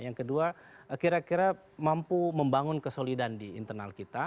yang kedua kira kira mampu membangun kesolidan di internal kita